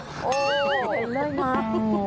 เหลือมาก